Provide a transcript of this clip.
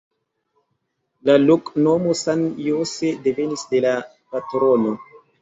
La loknomo San Jose devenis de la patrono.